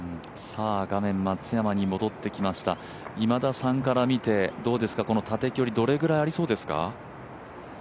画面、松山に戻ってきました今田さんから見て、縦距離、どれぐらいありそうですか？